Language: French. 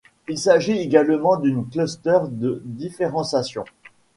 Il s'agit également d'une cluster de différenciation.